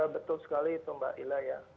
betul sekali itu mbak ila ya